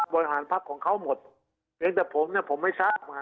บริหารพักของเขาหมดเพียงแต่ผมเนี่ยผมไม่ทราบ